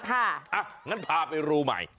อย่างนั้นพาไปรูใหม่